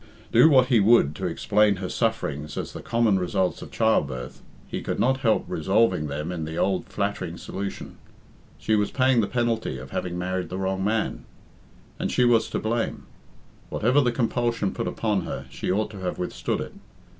Do what he would to explain her sufferings as the common results of childbirth, he could not help resolving them in the old flattering solution. She was paying the penalty of having married the wrong man. And she was to blame. Whatever the compulsion put upon her, she ought to have withstood it.